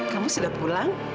kamu sudah pulang